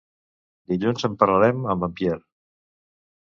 Dilluns en parlarem amb en Pierre.